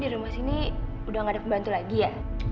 di rumah sini udah gak ada pembantu lagi ya